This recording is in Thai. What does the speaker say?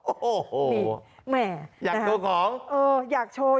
โอ้โหอยากโชว์ของ